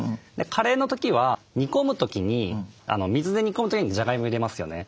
カレーの時は煮込む時に水で煮込む時にじゃがいも入れますよね。